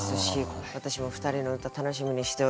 私も２人の歌楽しみにしております。